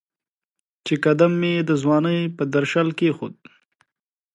چې قدم مې د ځوانۍ په درشل کېښود